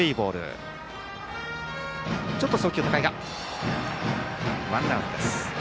ちょっと送球が高いがワンアウトです。